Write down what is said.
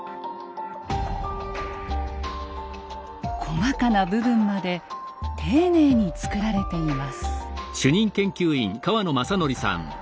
細かな部分まで丁寧に作られています。